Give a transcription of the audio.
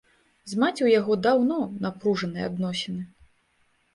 З маці ў яго даўно напружаныя адносіны.